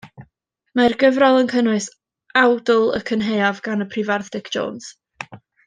Mae'r gyfrol yn cynnwys awdl Y Cynhaeaf gan y Prifardd Dic Jones.